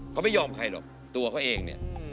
เขาไม่ยอมใครหรอกตัวเขาเองเนี่ย